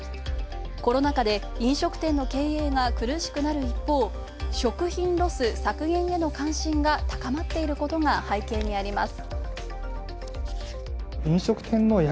コロナ禍で飲食店の経営が苦しくなる一方、食品ロス削減への関心が高まっていることが背景にあります。